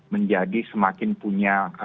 menjadi semakin punya